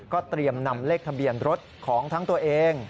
เตรียมนำเลขทะเบียนรถของทั้งตัวเอง